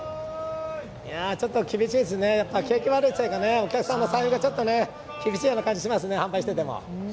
ちょっと厳しいですね、景気悪いせいかお客さんの財布がちょっと厳しい感じしますね、販売してても。